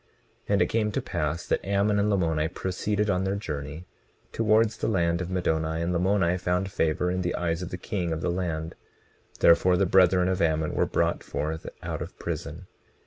20:28 And it came to pass that Ammon and Lamoni proceeded on their journey towards the land of Middoni. And Lamoni found favor in the eyes of the king of the land; therefore the brethren of Ammon were brought forth out of prison.